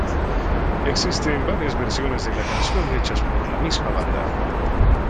Existen varias versiones de la canción hechas por la misma banda.